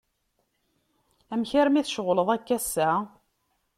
Amek armi tceɣleḍ akka assa?